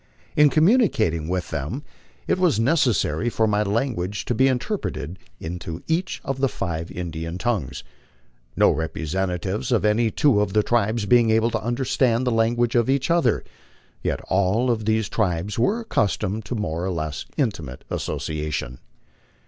In communicating with them it was 16 MY LIFE ON THE PLAINS. necessary for my language to be interpreted into each of the five Indian tongues, no representatives of any two of the tribes being able to understand the language of each other ; yet all of these tribes were accustomed to more or less intimate association.